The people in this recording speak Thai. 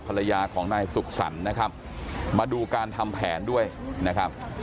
ภรรยาของนายสุขสรรค์นะครับมาดูการทำแผนด้วยนะครับ